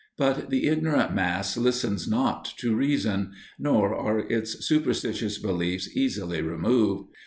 But the ignorant mass listens not to reason, nor are its superstitious beliefs easily removed.